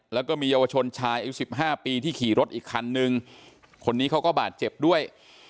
แล้วก็มีเยาวชนชายอายุสิบห้าปีที่ขี่รถอีกคันนึงคนนี้เขาก็บาดเจ็บด้วย